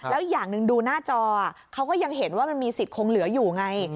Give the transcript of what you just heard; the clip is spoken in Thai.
แล้วอย่างหนึ่งดูหน้าจอเขาก็ยังเห็นว่ามันมีสิทธิ์คงเหลืออยู่ไง